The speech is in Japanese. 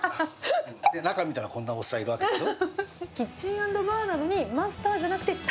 中見たら、こんなおっさんいるわけでしょ。